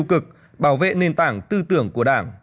cực bảo vệ nền tảng tư tưởng của đảng